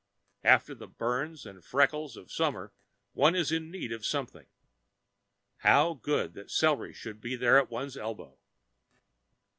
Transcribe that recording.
After the burns and freckles of summer one is in need of something. How good that celery should be there at one's elbow.